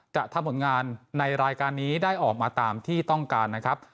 จะทำผลงานในรายการนี้ได้ออกมาตามที่ต้องการนะครับ